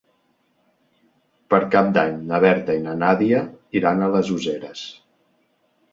Per Cap d'Any na Berta i na Nàdia iran a les Useres.